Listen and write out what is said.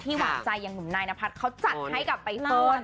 ที่หวังใจอย่างหนุ่มนายนพัดเค้าจัดให้กับไปเฟิร์น